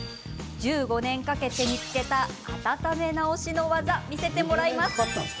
１５年かけて見つけた温め直しの技、見せてもらいます。